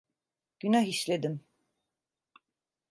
Günah işledim.